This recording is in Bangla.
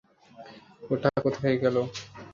ওটা কোথায় গেলো?